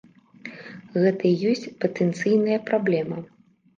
Гэта і ёсць патэнцыйная праблема.